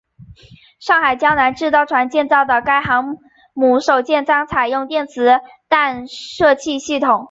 上海江南造船厂建造的该型航母首舰将采用电磁弹射器系统。